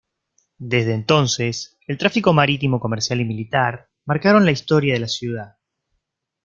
Desde entonces, el tráfico marítimo comercial y militar marcaron la historia de la ciudad.